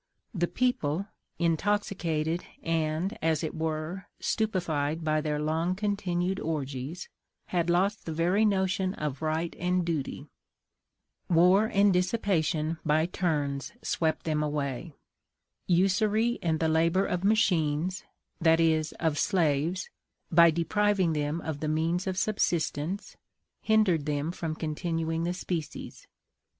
The people intoxicated and, as it were, stupefied by their long continued orgies had lost the very notion of right and duty: war and dissipation by turns swept them away; usury and the labor of machines (that is of slaves), by depriving them of the means of subsistence, hindered them from continuing the species.